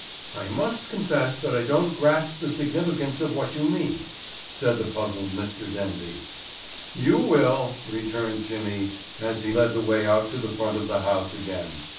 "I must confess that I don't grasp the significance of what you mean," said the puzzled Mr. Denby. "You will," returned Jimmy as he led the way out to the front of the house again.